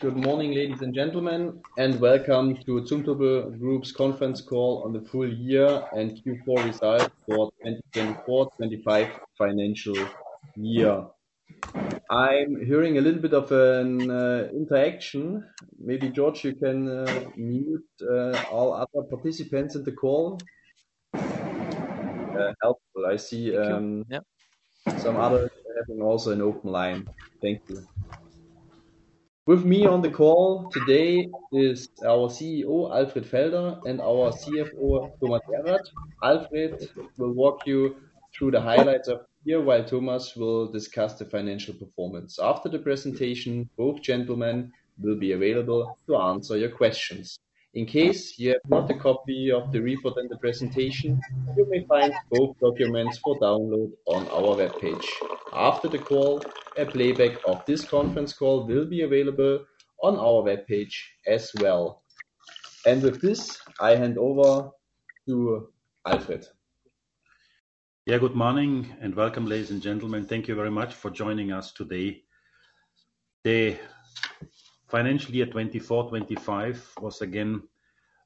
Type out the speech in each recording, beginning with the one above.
Good morning, ladies and gentlemen, and welcome to Zumtobel Group's conference call on the full year and Q4 result for the 2024-2025 financial year. I'm hearing a little bit of an interaction. Maybe, George, you can mute all other participants in the call? Helpful. I see some others having also an open line. Thank you. With me on the call today is our CEO, Alfred Felder, and our CFO, Thomas Erath. Alfred will walk you through the highlights of the year, while Thomas will discuss the financial performance. After the presentation, both gentlemen will be available to answer your questions. In case you have not a copy of the report and the presentation, you may find both documents for download on our web page. After the call, a playback of this conference call will be available on our web page as well. With this, I hand over to Alfred. Yeah, good morning and welcome, ladies and gentlemen. Thank you very much for joining us today. The financial year 2024-25 was again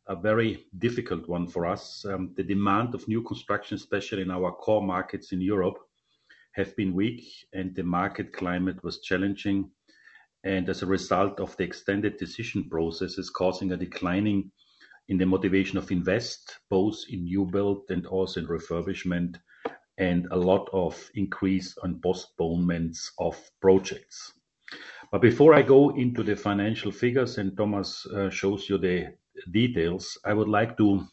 a very difficult one for us. The demand of new construction, especially in our core markets in Europe, has been weak, and the market climate was challenging. As a result of the extended decision processes causing a decline in the motivation of investors, both in new builds and also in refurbishment, there was a lot of increase in postponements of projects. Before I go into the financial figures and Thomas shows you the details, I would like to,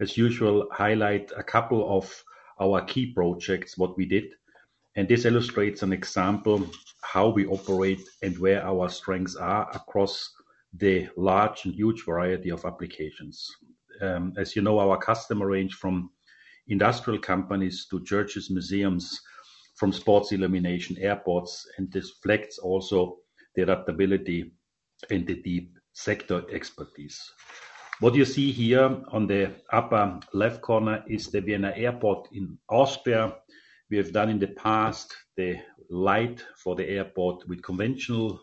as usual, highlight a couple of our key projects, what we did. This illustrates an example of how we operate and where our strengths are across the large and huge variety of applications. As you know, our customer range from industrial companies to churches, museums, from sports illumination, airports, and this reflects also the adaptability and the deep sector expertise. What you see here on the upper left corner is the Vienna Airport in Austria. We have done in the past the light for the airport with conventional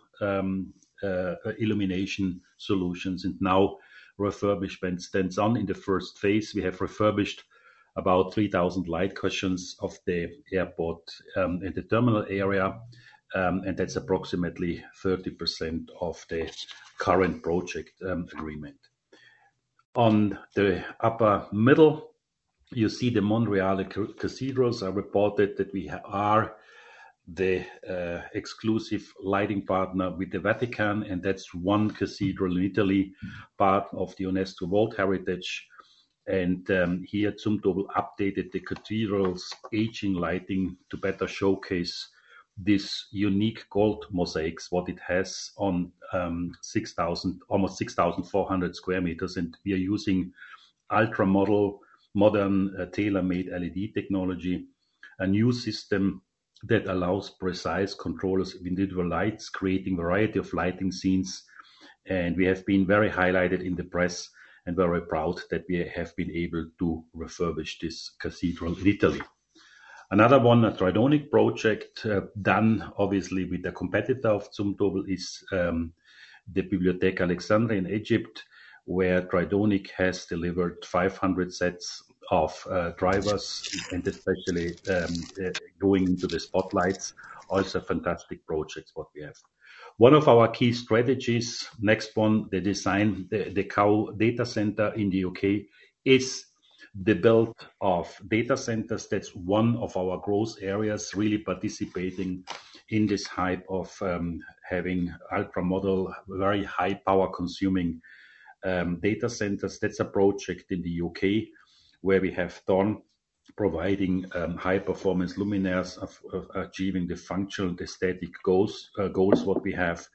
illumination solutions, and now refurbishment stands on. In the first phase, we have refurbished about 3,000 light cushions of the airport and the terminal area, and that's approximately 30% of the current project agreement. On the upper middle, you see the Monreale Cathedral. I reported that we are the exclusive lighting partner with the Vatican, and that's one cathedral in Italy, part of the UNESCO World Heritage. Here, Zumtobel updated the cathedral's aging lighting to better showcase this unique gold mosaics, what it has on almost 6,400 square meters. We are using ultra-modern tailor-made LED technology, a new system that allows precise controls of individual lights, creating a variety of lighting scenes. We have been very highlighted in the press and very proud that we have been able to refurbish this cathedral in Italy. Another one, a Tridonic project done obviously with the competitor of Zumtobel, is the Bibliotheca Alexandrina in Egypt, where Tridonic has delivered 500 sets of drivers, and it's actually going into the spotlights. Also, a fantastic project what we have. One of our key strategies, next one, the design, the Cow data center in the U.K. is the build of data centers. That's one of our growth areas, really participating in this height of having ultra-model, very high power-consuming data centers. That's a project in the U.K. where we have done providing high-performance luminaires, achieving the functional and aesthetic goals what we have.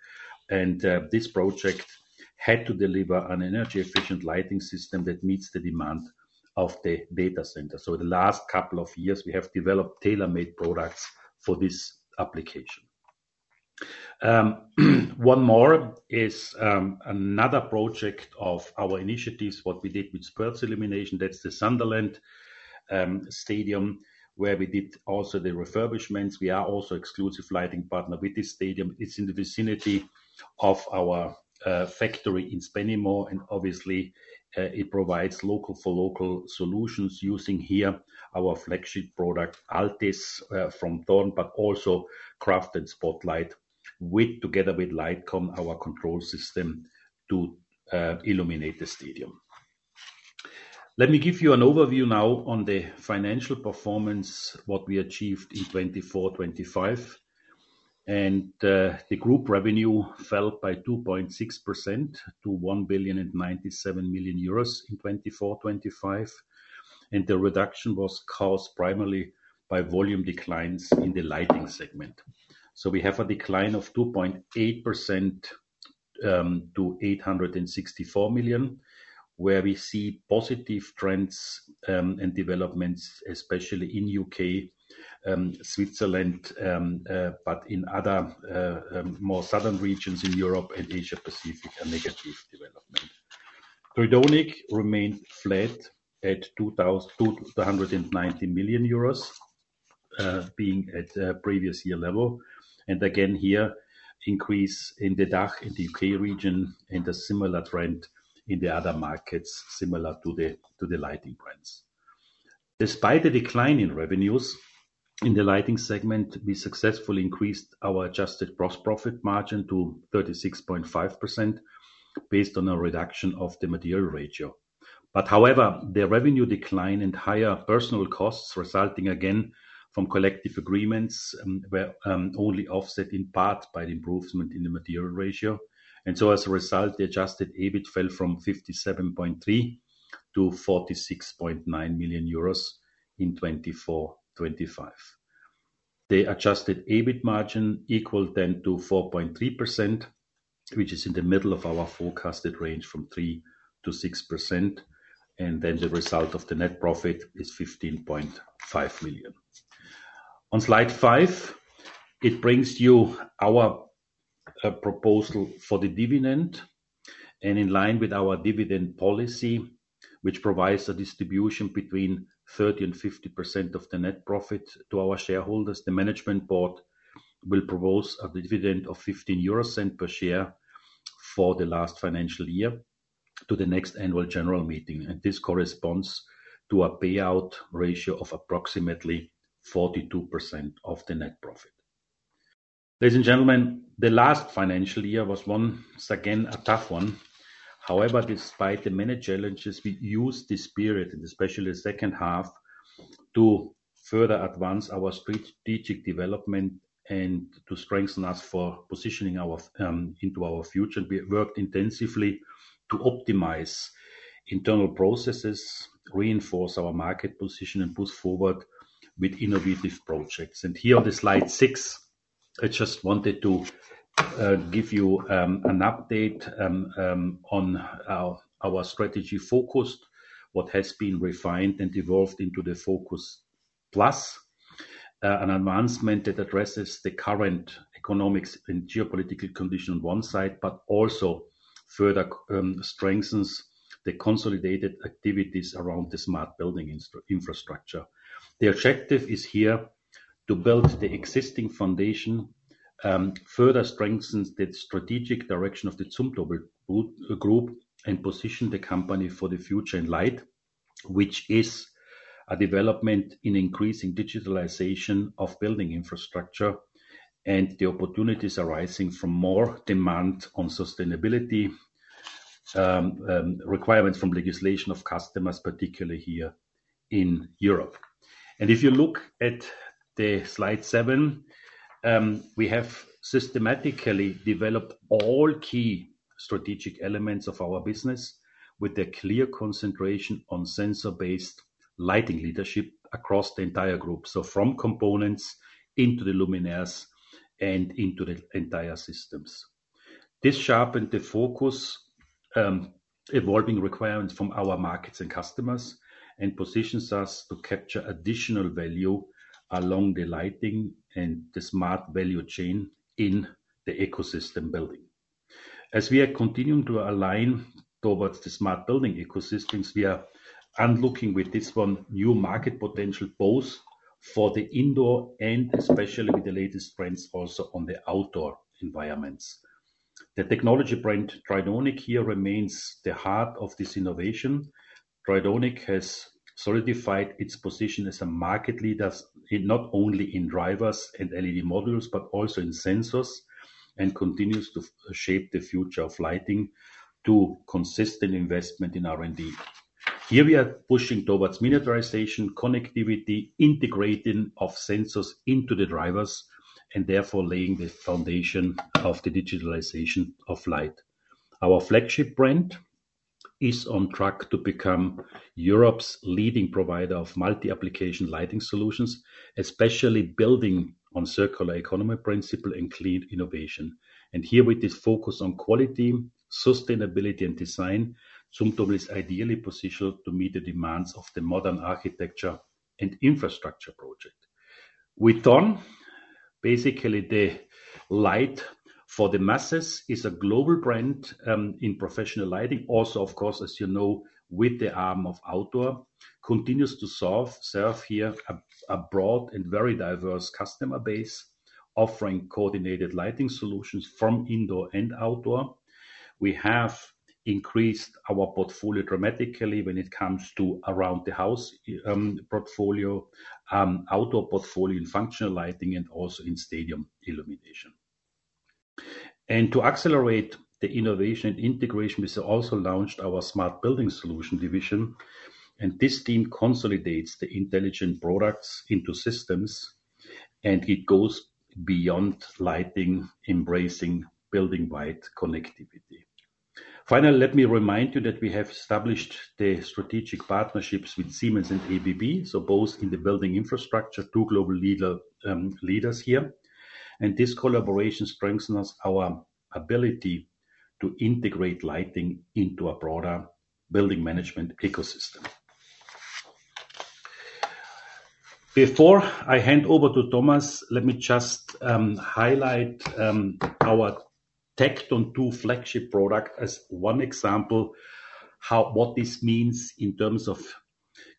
This project had to deliver an energy-efficient lighting system that meets the demand of the data center. In the last couple of years, we have developed tailor-made products for this application. One more is another project of our initiatives, what we did with sports illumination. That's the Sunderland Stadium, where we did also the refurbishments. We are also an exclusive lighting partner with this stadium. It's in the vicinity of our factory in Spennymoor, and obviously, it provides local-for-local solutions using here our flagship product, Altis from Thorn, but also Craft and Spotlight, together with LightCon, our control system to illuminate the stadium. Let me give you an overview now on the financial performance, what we achieved in 2024-25. The group revenue fell by 2.6% to 1.097 billion in 2024-25. The reduction was caused primarily by volume declines in the lighting segment. We have a decline of 2.8% to 864 million, where we see positive trends and developments, especially in the U.K., Switzerland, but in other more southern regions in Europe and Asia-Pacific, a negative development. Tridonic remained flat at 219 million euros, being at a previous year level. Again here, an increase in the DACH and the U.K. region, and a similar trend in the other markets, similar to the lighting trends. Despite the decline in revenues in the lighting segment, we successfully increased our adjusted gross profit margin to 36.5% based on a reduction of the material ratio. However, the revenue decline and higher personnel costs resulting again from collective agreements were only offset in part by the improvement in the material ratio. As a result, the adjusted EBIT fell from 57.3 million-46.9 million euros in 2024-25. The adjusted EBIT margin equaled then to 4.3%, which is in the middle of our forecasted range from 3%-6%. The result of the net profit is 15.5 million. On slide five, it brings you our proposal for the dividend. In line with our dividend policy, which provides a distribution between 30% and 50% of the net profit to our shareholders, the management board will propose a dividend of 0.15 per share for the last financial year to the next annual general meeting. This corresponds to a payout ratio of approximately 42% of the net profit. Ladies and gentlemen, the last financial year was once again a tough one. However, despite the many challenges, we used the spirit, and especially the second half, to further advance our strategic development and to strengthen us for positioning our into our future. We worked intensively to optimize internal processes, reinforce our market position, and move forward with innovative projects. Here on slide six, I just wanted to give you an update on our strategy focus, what has been refined and evolved into the Focus Plus initiative, an advancement that addresses the current economic and geopolitical condition on one side, but also further strengthens the consolidated activities around the smart building infrastructure. The objective is here to build the existing foundation, further strengthen the strategic direction of the Zumtobel Group, and position the company for the future in light, which is a development in increasing digitalization of building infrastructure and the opportunities arising from more demand on sustainability requirements from legislation of customers, particularly here in Europe. If you look at slide seven, we have systematically developed all key strategic elements of our business with a clear concentration on sensor-based lighting leadership across the entire group. From components into the luminaires and into the entire systems, this sharpened the focus, evolving requirements from our markets and customers, and positions us to capture additional value along the lighting and the smart value chain in the ecosystem building. As we are continuing to align towards the smart building ecosystems, we are looking with this one new market potential both for the indoor and especially with the latest trends also on the outdoor environments. The technology brand Tridonic here remains the heart of this innovation. Tridonic has solidified its position as a market leader in not only LED drivers and modules, but also in sensors and continues to shape the future of lighting through consistent investment in R&D. Here we are pushing towards miniaturization, connectivity, integrating sensors into the drivers, and therefore laying the foundation of the digitalization of light. Our flagship brand is on track to become Europe's leading provider of multi-application lighting solutions, especially building on circular economy principle and clean innovation. With this focus on quality, sustainability, and design, Zumtobel is ideally positioned to meet the demands of the modern architecture and infrastructure project. With Thorn, basically the light for the masses is a global brand in professional lighting. Also, of course, as you know, with the arm of outdoor, continues to serve here a broad and very diverse customer base, offering coordinated lighting solutions from indoor and outdoor. We have increased our portfolio dramatically when it comes to around-the-house portfolio, outdoor portfolio in functional lighting, and also in stadium illumination. To accelerate the innovation and integration, we also launched our smart building solution division. This team consolidates the intelligent products into systems, and it goes beyond lighting, embracing building-wide connectivity. Finally, let me remind you that we have established the strategic partnerships with Siemens and ABB, both in the building infrastructure, two global leaders here. This collaboration strengthens our ability to integrate lighting into a broader building management ecosystem. Before I hand over to Thomas, let me just highlight our Tecton 2 flagship product as one example of what this means in terms of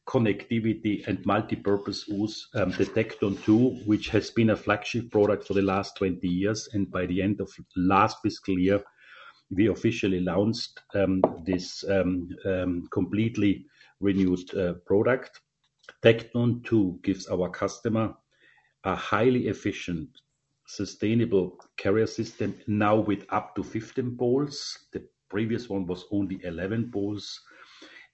connectivity and multipurpose use. The Tecton 2, which has been a flagship product for the last 20 years, and by the end of last fiscal year, we officially launched this completely renewed product. Tecton 2 gives our customer a highly efficient, sustainable carrier system, now with up to 15 poles. The previous one was only 11 poles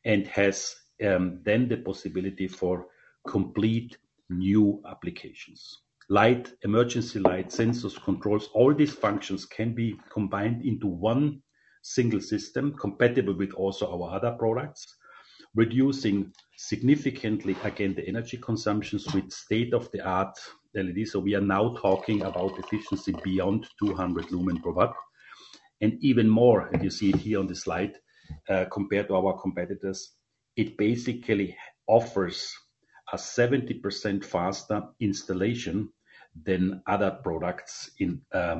and has then the possibility for complete new applications. Light, emergency light, sensors, controls, all these functions can be combined into one single system, compatible with also our other products, reducing significantly, again, the energy consumptions with state-of-the-art LEDs. We are now talking about efficiency beyond 200 lm/W Even more, as you see it here on the slide, compared to our competitors, it basically offers a 70% faster installation than other products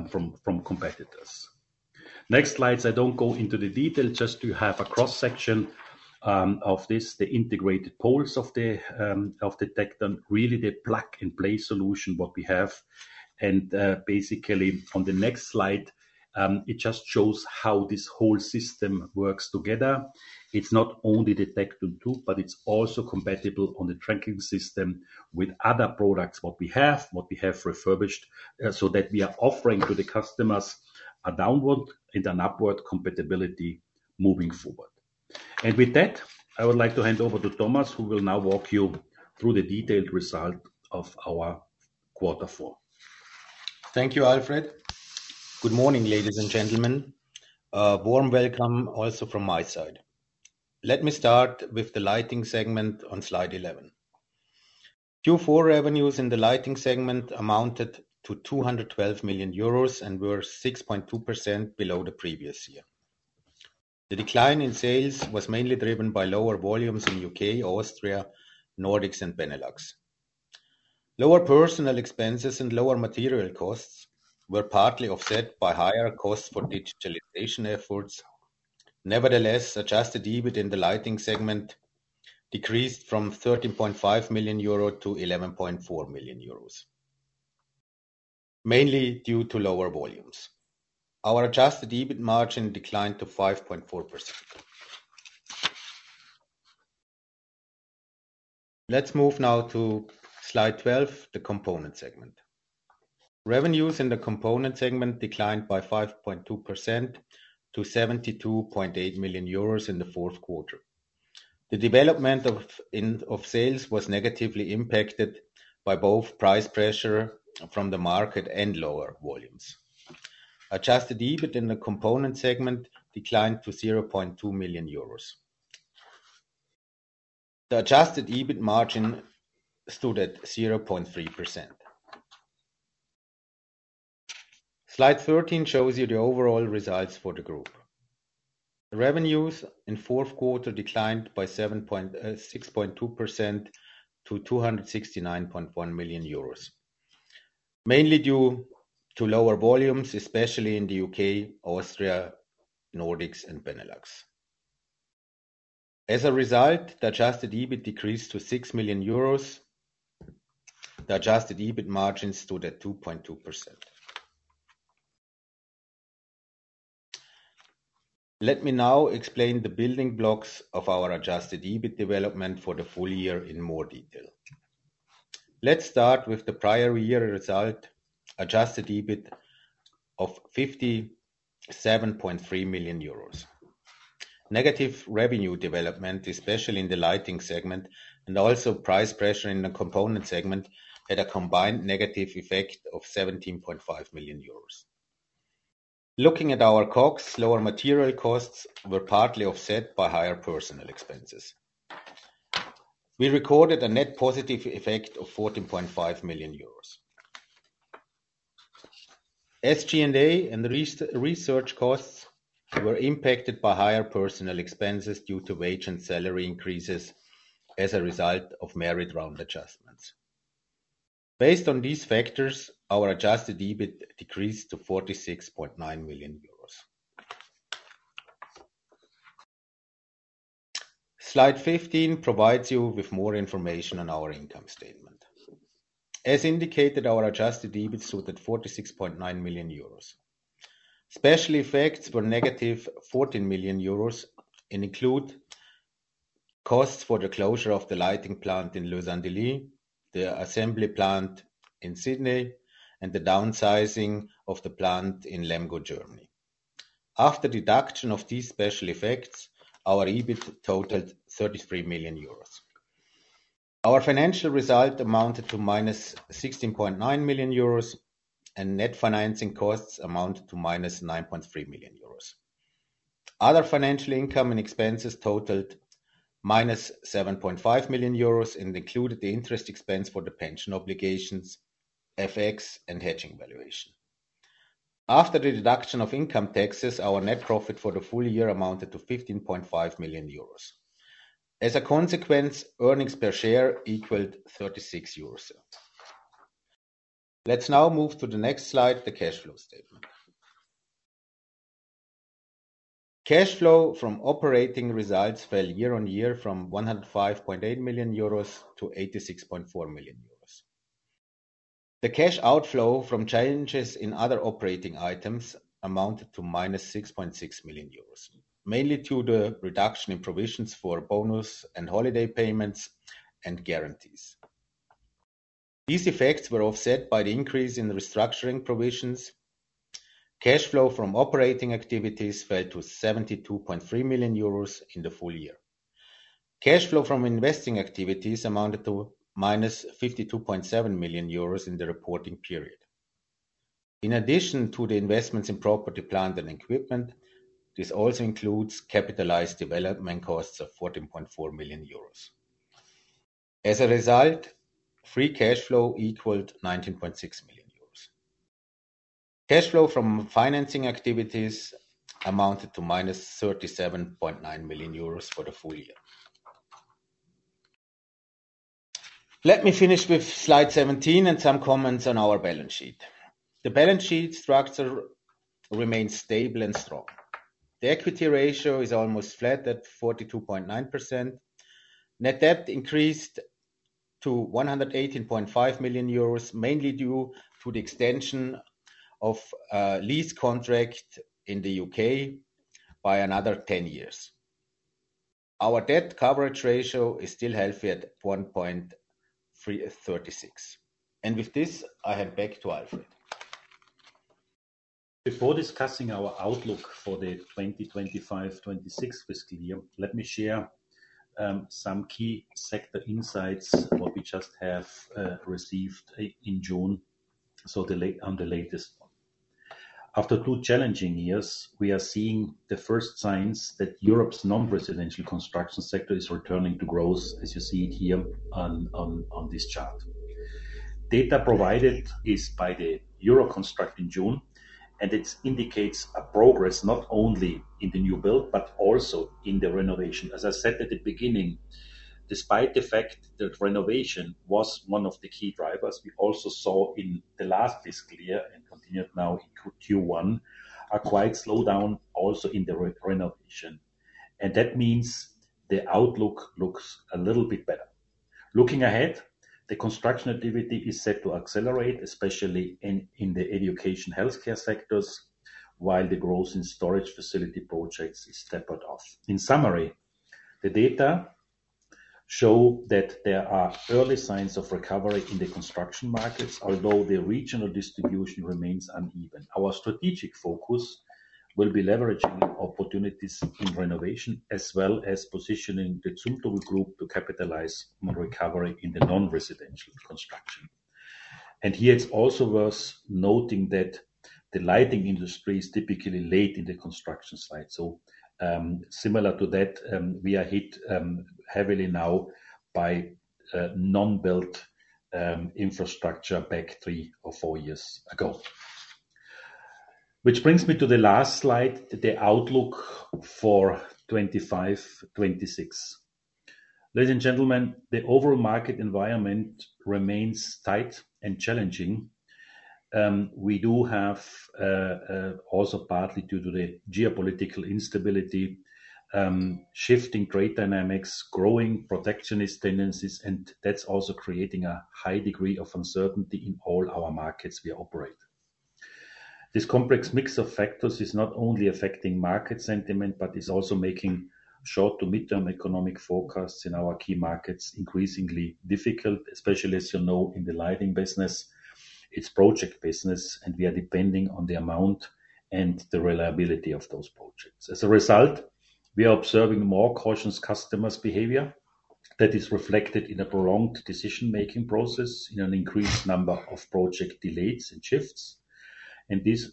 from competitors. Next slide, I don't go into the detail just to have a cross-section of this, the integrated poles of the Tecton, really the plug-and-play solution, what we have. Basically, on the next slide, it just shows how this whole system works together. It's not only the Tecton 2, but it's also compatible on the tracking system with other products we have, what we have refurbished, so that we are offering to the customers a downward and an upward compatibility moving forward. With that, I would like to hand over to Thomas, who will now walk you through the detailed result of our quarter four. Thank you, Alfred. Good morning, ladies and gentlemen. A warm welcome also from my side. Let me start with the lighting segment on slide 11. Q4 revenues in the lighting segment amounted to 212 million euros and were 6.2% below the previous year. The decline in sales was mainly driven by lower volumes in the U.K., Austria, Nordics, and Benelux. Lower personnel expenses and lower material costs were partly offset by higher costs for digitalization efforts. Nevertheless, adjusted EBIT in the lighting segment decreased from 13.5 million euro to 11.4 million euros, mainly due to lower volumes. Our adjusted EBIT margin declined to 5.4%. Let's move now to slide 12, the component segment. Revenues in the component segment declined by 5.2% to 72.8 million euros in the fourth quarter. The development of sales was negatively impacted by both pricing pressure from the market and lower volumes. Adjusted EBIT in the component segment declined to 0.2 million euros. The adjusted EBIT margin stood at 0.3%. Slide 13 shows you the overall results for the group. The revenues in the fourth quarter declined by 6.2% to 269.1 million euros, mainly due to lower volumes, especially in the U.K., Austria, Nordics, and Benelux. As a result, the adjusted EBIT decreased to 6 million euros. The adjusted EBIT margin stood at 2.2%. Let me now explain the building blocks of our adjusted EBIT development for the full year in more detail. Let's start with the prior year result, adjusted EBIT of 57.3 million euros. Negative revenue development, especially in the lighting segment, and also pricing pressure in the component segment had a combined negative effect of 17.5 million euros. Looking at our costs, lower material costs were partly offset by higher personnel expenses. We recorded a net positive effect of 14.5 million euros. SG&A and research costs were impacted by higher personnel expenses due to wage and salary increases as a result of merit round adjustments. Based on these factors, our adjusted EBIT decreased to 46.9 million euros. Slide 15 provides you with more information on our income statement. As indicated, our adjusted EBIT stood at 46.9 million euros. Special effects were negative 14 million euros and include costs for the closure of the lighting plant in Luzern, the assembly plant in Sydney, and the downsizing of the plant in Lemgo, Germany. After deduction of these special effects, our EBIT totaled 33 million euros. Our financial result amounted to -16.9 million euros, and net financing costs amounted to -9.3 million euros. Other financial income and expenses totaled -7.5 million euros and included the interest expense for the pension obligations, FX, and hedging valuation. After the deduction of income taxes, our net profit for the full year amounted to -15.5 million. As a consequence, earnings per share equaled 0.36 euros. Let's now move to the next slide, the cash flow statement. Cash flow from operating results fell year on year from 105.8 million-86.4 million euros. The cash outflow from challenges in other operating items amounted to -6.6 million euros, mainly due to the reduction in provisions for bonus and holiday payments and guarantees. These effects were offset by the increase in restructuring provisions. Cash flow from operating activities fell to 72.3 million euros in the full year. Cash flow from investing activities amounted to -52.7 million euros in the reporting period. In addition to the investments in property, plant, and equipment, this also includes capitalized development costs of 14.4 million euros. As a result, free cash flow equaled 19.6 million euros. Cash flow from financing activities amounted to -37.9 million euros for the full year. Let me finish with slide 17 and some comments on our balance sheet. The balance sheet structure remains stable and strong. The equity ratio is almost flat at 42.9%. Net debt increased to 118.5 million euros, mainly due to the extension of a lease contract in the U.K. by another 10 years. Our debt coverage ratio is still healthy at 1.36. With this, I am back to Alfred. Before discussing our outlook for the 2025-2026 fiscal year, let me share some key sector insights we just have received in June, so the latest one. After two challenging years, we are seeing the first signs that Europe's non-residential construction sector is returning to growth, as you see it here on this chart. Data provided is by the Euroconstruct in June, and it indicates progress not only in the new build, but also in the renovation. As I said at the beginning, despite the fact that renovation was one of the key drivers, we also saw in the last fiscal year and continued now Q1 a quite slowdown also in the renovation. That means the outlook looks a little bit better. Looking ahead, the construction activity is set to accelerate, especially in the education and healthcare sectors, while the growth in storage facility projects is stepped off. In summary, the data show that there are early signs of recovery in the construction markets, although the regional distribution remains uneven. Our strategic focus will be leveraging opportunities in renovation, as well as positioning the Zumtobel Group to capitalize on recovering in the non-residential construction. Here, it's also worth noting that the lighting industry is typically late in the construction site. Similar to that, we are hit heavily now by non-built infrastructure back three or four years ago. This brings me to the last slide, the outlook for 2025-2026. Ladies and gentlemen, the overall market environment remains tight and challenging. We do have also partly due to the geopolitical instability, shifting trade dynamics, growing protectionist tendencies, and that's also creating a high degree of uncertainty in all our markets we operate. This complex mix of factors is not only affecting market sentiment, but is also making short-to-mid-term economic forecasts in our key markets increasingly difficult, especially, as you know, in the lighting business, it's project business, and we are depending on the amount and the reliability of those projects. As a result, we are observing more cautious customers' behavior that is reflected in a prolonged decision-making process, in an increased number of project delays and shifts. These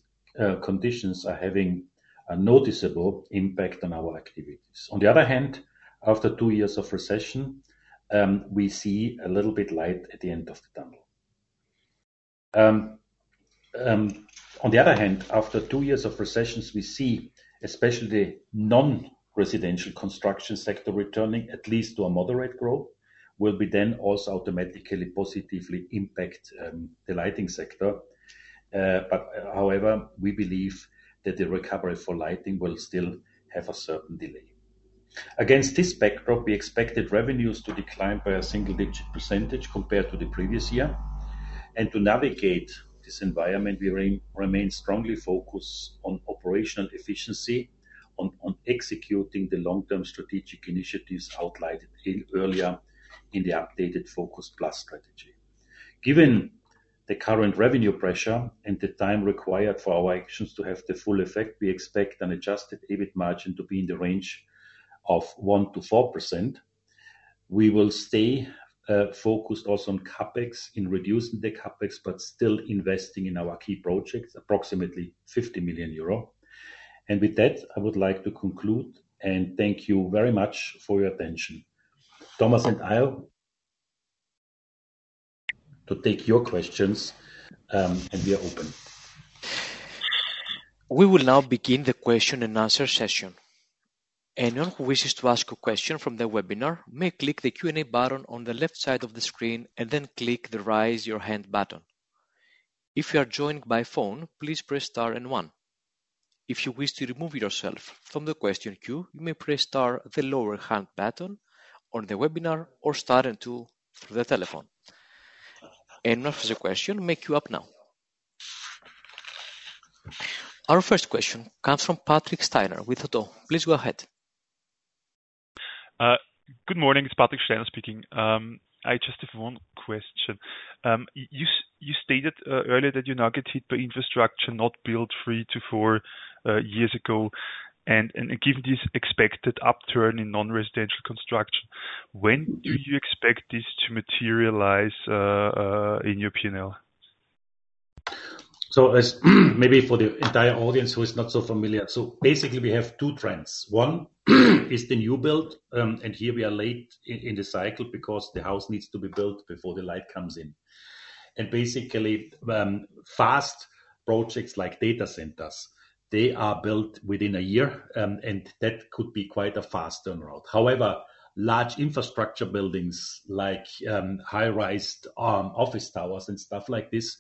conditions are having a noticeable impact on our activities. On the other hand, after two years of recession, we see a little bit of light at the end of the tunnel. On the other hand, after two years of recessions, we see especially the non-residential construction sector returning at least to a moderate growth, will be then also automatically positively impact the lighting sector. However, we believe that the recovery for lighting will still have a certain delay. Against this backdrop, we expected revenues to decline by a single-digit percentage compared to the previous year. To navigate this environment, we remain strongly focused on operational efficiency, on executing the long-term strategic initiatives outlined earlier in the updated Focus Plus strategy. Given the current revenue pressure and the time required for our actions to have the full effect, we expect an adjusted EBIT margin to be in the range of 1%-4%. We will stay focused also on CapEx, in reducing the CapEx, but still investing in our key projects, approximately 50 million euro. With that, I would like to conclude, and thank you very much for your attention. Thomas and I will take your questions, and we are open. We will now begin the question and answer session. Anyone who wishes to ask a question from the webinar may click the Q&A button on the left side of the screen and then click the Raise Your Hand button. If you are joined by phone, please press Star and 1. If you wish to remove yourself from the question queue, you may press Star the lower-hand button on the webinar or Star and 2 through the telephone. Anyone who has a question, make your up now. Our first question comes from Patrick Steiner with ODDO BHF Corporate & Markets. Please go ahead. Good morning. It's Patrick Steiner speaking. I just have one question. You stated earlier that you now get hit by infrastructure not built three to four years ago. Given this expected upturn in non-residential construction, when do you expect this to materialize in your P&L? As maybe for the entire audience who is not so familiar, basically, we have two trends. One is the new build, and here we are late in the cycle because the house needs to be built before the light comes in. Basically, fast projects like data centers are built within a year, and that could be quite a fast turnaround. However, large infrastructure buildings like high-rise office towers and stuff like this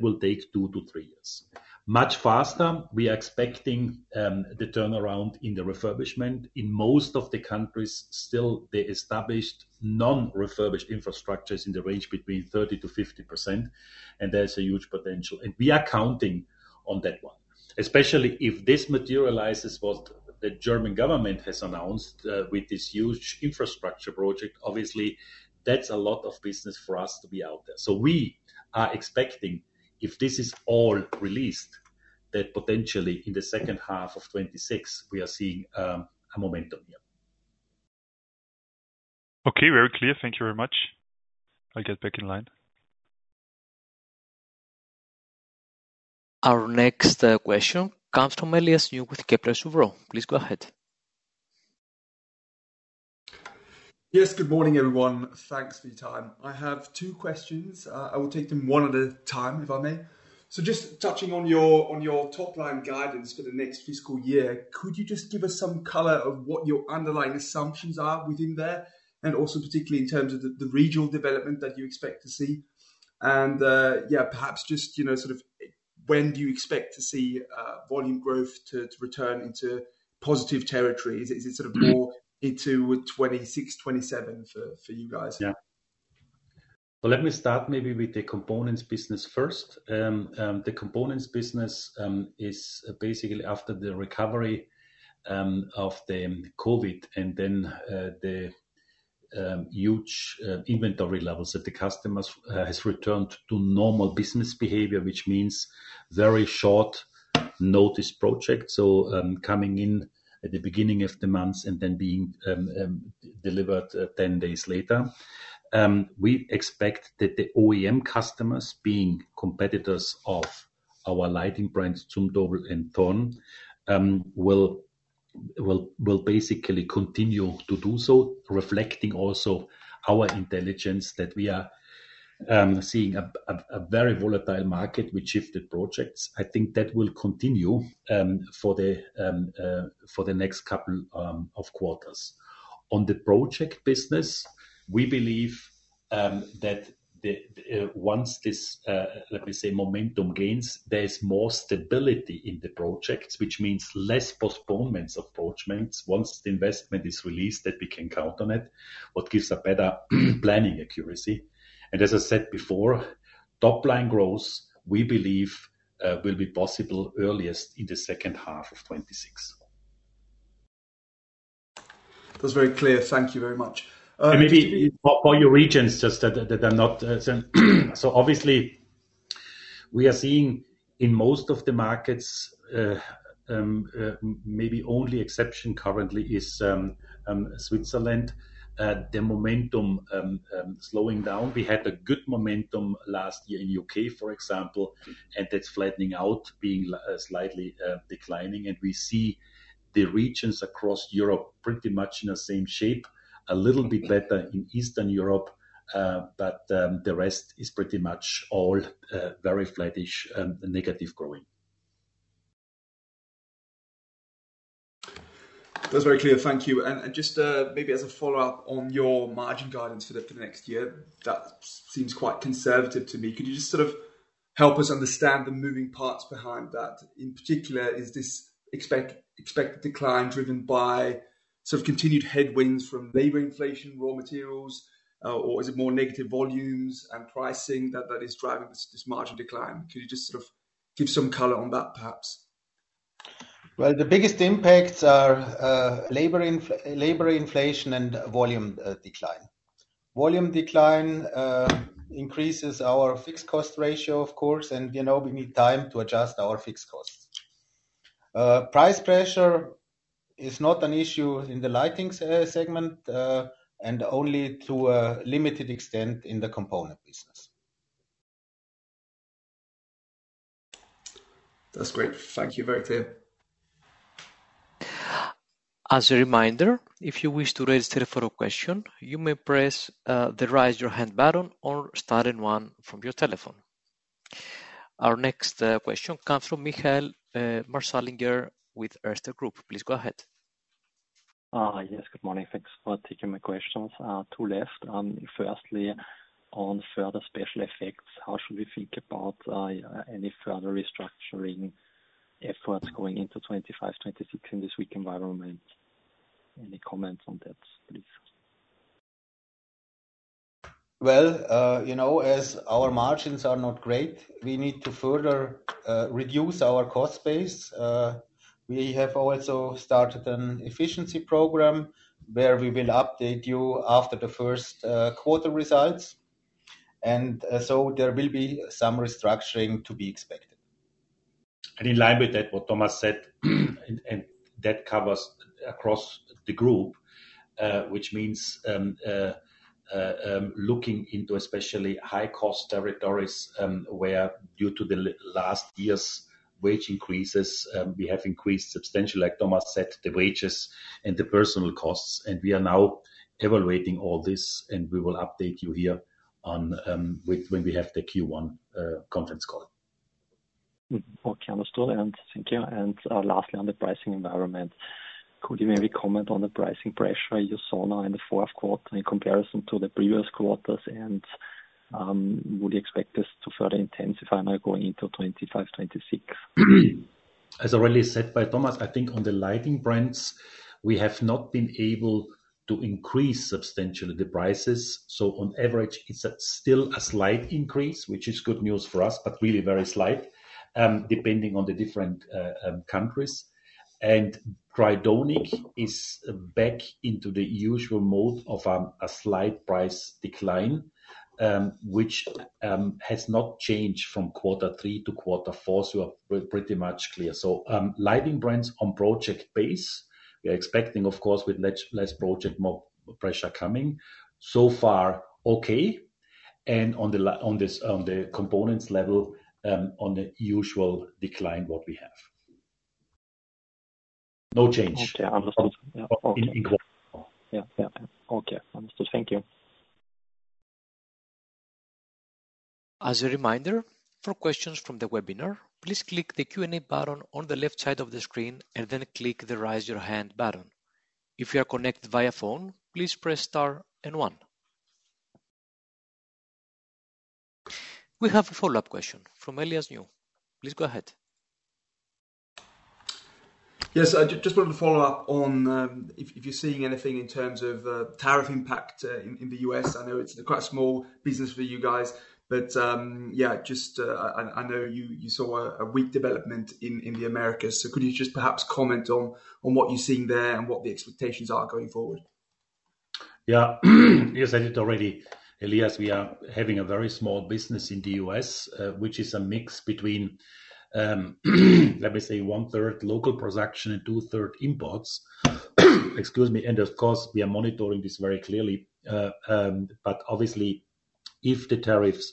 will take two to three years. Much faster, we are expecting the turnaround in the refurbishment. In most of the countries, still, the established non-refurbished infrastructures are in the range between 30%-50%, and there's a huge potential. We are counting on that one. Especially if this materializes, what the German government has announced with this huge infrastructure project, obviously, that's a lot of business for us to be out there. We are expecting, if this is all released, that potentially in the second half of 2026, we are seeing a momentum here. Okay, very clear. Thank you very much. I'll get back in line. Our next question comes from Elias Neau with Kepler Cheuvreux. Please go ahead. Yes, good morning, everyone. Thanks for your time. I have two questions. I will take them one at a time, if I may. Just touching on your top-line guidance for the next fiscal year, could you just give us some color of what your underlying assumptions are within there, and also particularly in terms of the regional development that you expect to see? Perhaps just, you know, sort of when do you expect to see volume growth to return into positive territory? Is it sort of more into 2026-2027 for you guys? Yeah. Let me start maybe with the components business first. The components business is basically after the recovery of COVID and then the huge inventory levels that the customers have returned to normal business behavior, which means very short notice projects, coming in at the beginning of the month and then being delivered 10 days later. We expect that the OEM customers, being competitors of our lighting brands, Zumtobel and Thorn, will basically continue to do so, reflecting also our intelligence that we are seeing a very volatile market with shifted projects. I think that will continue for the next couple of quarters. On the project business, we believe that once this, let me say, momentum gains, there's more stability in the projects, which means less postponements of projects. Once the investment is released, that we can count on it, what gives a better planning accuracy. As I said before, top-line growth, we believe, will be possible earliest in the second half of 2026. That was very clear. Thank you very much. For your regions that are not so obvious, we are seeing in most of the markets, maybe the only exception currently is Switzerland, the momentum slowing down. We had a good momentum last year in the U.K., for example, and that's flattening out, being slightly declining. We see the regions across Europe pretty much in the same shape, a little bit better in Eastern Europe, but the rest is pretty much all very flattish, negative growing. That's very clear. Thank you. Just maybe as a follow-up on your margin guidance for the next year, that seems quite conservative to me. Could you just sort of help us understand the moving parts behind that? In particular, is this expected decline driven by sort of continued headwinds from labor inflation, raw materials, or is it more negative volumes and pricing that is driving this margin decline? Can you just sort of give some color on that, perhaps? The biggest impacts are labor inflation and volume decline. Volume decline increases our fixed cost ratio, of course, and we know we need time to adjust our fixed costs. Price pressure is not an issue in the lighting segment and only to a limited extent in the components business. That's great. Thank you. Very clear. As a reminder, if you wish to register for a question, you may press the Raise Your Hand button or Star and 1 from your telephone. Our next question comes from Michael Marschallinger with Erste Group. Please go ahead. Yes, good morning. Thanks for taking my questions. Two left. Firstly, on further special effects, how should we think about any further restructuring efforts going into 2025-2026 in this weak environment? Any comments on that, please? As our margins are not great, we need to further reduce our cost base. We have also started an efficiency program where we will update you after the first quarter results. There will be some restructuring to be expected. In line with what Thomas said, that covers across the group, which means looking into especially high-cost territories where, due to last year's wage increases, we have increased substantially, like Thomas said, the wages and the personnel costs. We are now evaluating all this, and we will update you here on when we have the Q1 conference call. For Zumtobel and Synca and lastly, on the pricing environment, could you maybe comment on the pricing pressure you saw now in the fourth quarter in comparison to the previous quarters? Would you expect this to further intensify now going into 2025-26? As already said by Thomas, I think on the lighting brands, we have not been able to increase substantially the prices. On average, it's still a slight increase, which is good news for us, but really very slight, depending on the different countries. Tridonic is back into the usual mode of a slight price decline, which has not changed from quarter three to quarter four, so you're pretty much clear. Lighting brands on project base, we are expecting, of course, with less project, more pressure coming. So far, okay. On the components level, on the usual decline, what we have. No change. Okay, understood. Okay, understood. Thank you. As a reminder, for questions from the webinar, please click the Q&A button on the left side of the screen and then click the Raise Your Hand button. If you are connected via phone, please press Star and 1. We have a follow-up question from Elias Neau. Please go ahead. Yes, I just wanted to follow up on if you're seeing anything in terms of tariff impact in the U.S. I know it's quite a small business for you guys, but I know you saw a weak development in the Americas. Could you just perhaps comment on what you're seeing there and what the expectations are going forward? Yeah, as I said already, Elias, we are having a very small business in the U.S., which is a mix between, let me say, one-third local production and two-thirds imports. Excuse me. Of course, we are monitoring this very clearly. Obviously, if the tariffs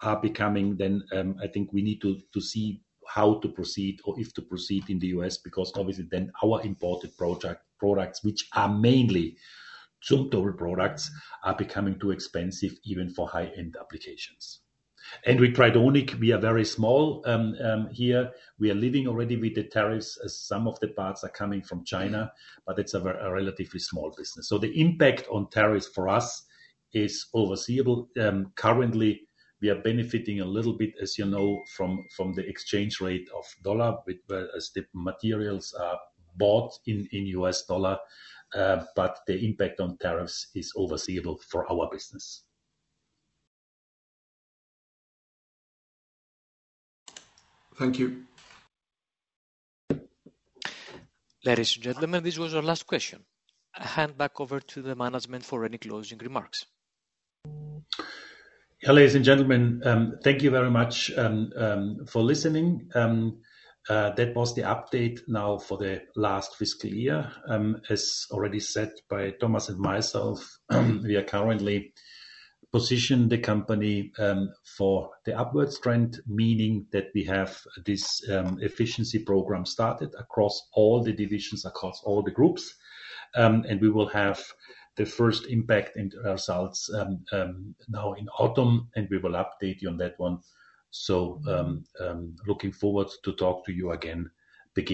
are becoming, then I think we need to see how to proceed or if to proceed in the U.S. because obviously then our imported products, which are mainly Zumtobel products, are becoming too expensive even for high-end applications. With Tridonic, we are very small here. We are leading already with the tariffs as some of the parts are coming from China, but it's a relatively small business. The impact on tariffs for us is overseable. Currently, we are benefiting a little bit, as you know, from the exchange rate of dollar, whereas the materials are bought in U.S. dollar. The impact on tariffs is overseable for our business. Thank you. Ladies and gentlemen, this was our last question. I hand back over to the management for any closing remarks. Ladies and gentlemen, thank you very much for listening. That was the update now for the last fiscal year. As already said by Thomas and myself, we are currently positioning the company for the upward strength, meaning that we have this efficiency program started across all the divisions, across all the groups. We will have the first impact and results now in autumn, and we will update you on that one. Looking forward to talking to you again then.